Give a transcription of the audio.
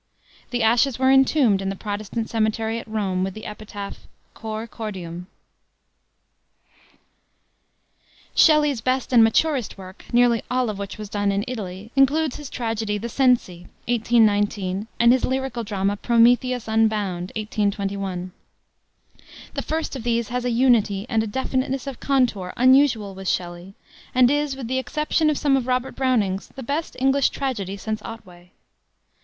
The ashes were entombed in the Protestant cemetery at Rome, with the epitaph, Cor cordium. Shelley's best and maturest work, nearly all of which was done in Italy, includes his tragedy, The Cenci, 1819, and his lyrical drama, Prometheus Unbound, 1821. The first of these has a unity, and a definiteness of contour unusual with Shelley, and is, with the exception of some of Robert Browning's, the best English tragedy since Otway.